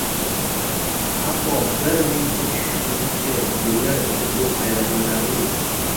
Ammo bir ming uch yuzinchi yillar uchun bu hayratlanarli.